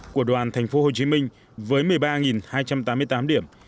của đoàn tp hcm với một mươi ba hai trăm tám mươi tám điểm